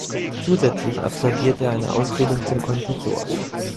Zusätzlich absolvierte er eine Ausbildung zum Konditor.